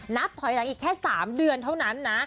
นับถอยหลังอีกแค่๓เดือนเท่านั้นนะ